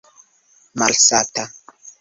malsata